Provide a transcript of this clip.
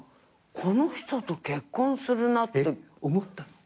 「この人と結婚するな」思ったの？